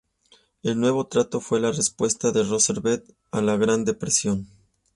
El Nuevo Trato fue la respuesta de Roosevelt a la Gran Depresión.